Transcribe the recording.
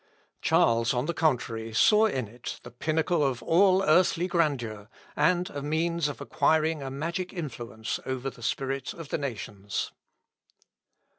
Charles, on the contrary, saw in it the pinnacle of all earthly grandeur, and a means of acquiring a magic influence over the spirit of the nations.